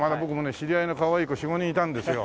知り合いのかわいい子４５人いたんですよ。